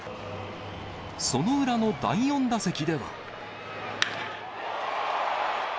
その裏の第４打席では。